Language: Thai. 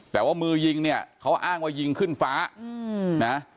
แต่ว่ามือยิงเนี่ยเขาอ้างว่ายิงขึ้นฟ้านะ